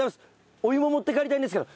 お湯も持って帰りたいんですけど。